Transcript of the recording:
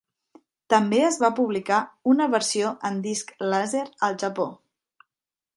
També es va publicar una versió en disc làser al Japó.